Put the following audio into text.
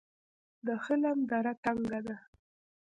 د خلم دره تنګه ده